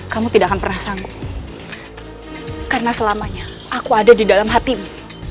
kamu tidak akan pernah sanggup karena selamanya aku ada di dalam hatimu